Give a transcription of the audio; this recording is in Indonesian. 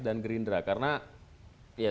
dan gerindra karena ya